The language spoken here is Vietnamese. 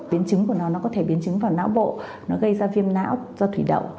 biến chứng của nó nó có thể biến chứng vào não bộ nó gây ra viêm não do thủy đậu